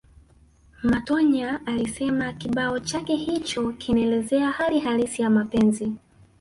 Matonya alisema kibao chake hicho kinaelezea hali halisi ya mapenzi